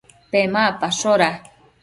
Pemacpashoda